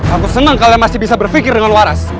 aku senang kalian masih bisa berpikir dengan waras